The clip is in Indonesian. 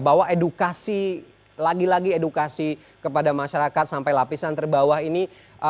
bahwa edukasi lagi lagi edukasi kepada masyarakat sampai lapisan terbawah ini